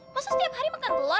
masa setiap hari makan telur